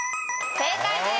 正解です。